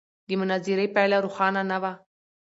د مناظرې پایله روښانه نه وه.